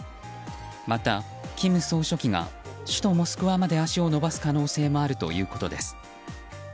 また金総書記が首都モスクワまで足を延ばす可能性もあるということです。